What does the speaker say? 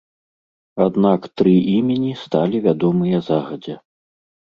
Аднак тры імені сталі вядомыя загадзя.